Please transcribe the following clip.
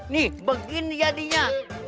nih begini jadinya